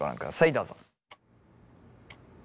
どうぞ。